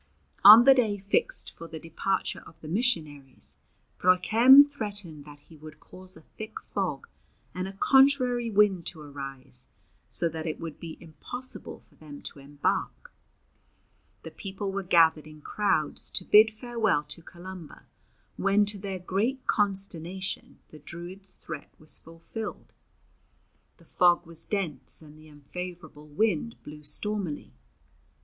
On the day fixed for the departure of the missionaries, Broichem threatened that he would cause a thick fog and a contrary wind to arise, so that it would be impossible for them to embark. The people were gathered in crowds to bid farewell to Columba, when to their great consternation the Druid's threat was fulfilled. The fog was dense and the unfavourable wind blew stormily.